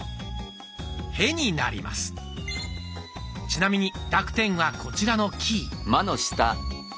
ちなみに濁点はこちらのキー。